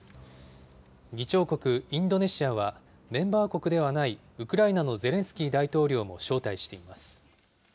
議長国、インドネシアは、メンバー国ではないウクライナのゼレンスキー大統領も招待しています。